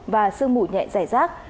và sương mù nhẹ rải rác